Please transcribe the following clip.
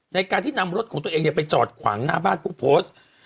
ในการที่นำรถของตัวเองไปจอดขวางหน้าบ้านผู้โพสต์